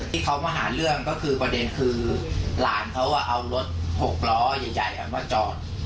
ที่เขามาหาเรื่องก็คือประเด็นคือหลานเขาเอารถหกล้อใหญ่มาจอด